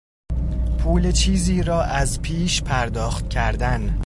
پول چیزی را از پیش پرداخت کردن